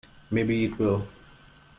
Maybe it will.